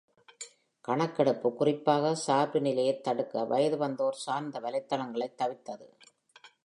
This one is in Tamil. கணக்கெடுப்பு குறிப்பாக சார்புநிலையைத் தடுக்க வயதுவந்தோர் சார்ந்த வலைத்தளங்களைத் தவிர்த்தது.